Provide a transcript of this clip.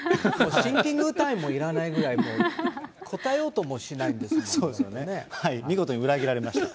シンキングタイムもいらないぐらい、答えようともしないんで見事に裏切られました。